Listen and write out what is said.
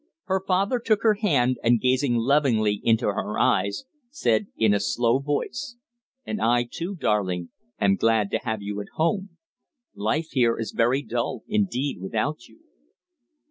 Her father took her hand, and, gazing lovingly into her eyes, said in a slow voice "And I, too, darling, am glad to have you at home. Life here is very dull indeed without you."